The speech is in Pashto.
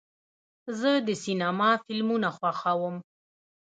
زه د سینما فلمونه خوښوم.